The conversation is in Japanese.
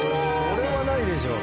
これはないでしょ。